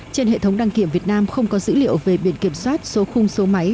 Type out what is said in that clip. trên hệ thống đăng kiểm việt nam không có dữ liệu về biển kiểm soát số khung số máy